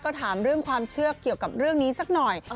ก็ถามเรื่องความเชื่อเกี่ยวกับเรื่องนี้สักหน่อย